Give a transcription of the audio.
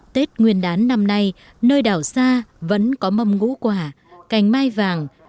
tết nguyên đán năm nay nơi đảo sa vẫn có mâm ngũ quả cảnh mai vàng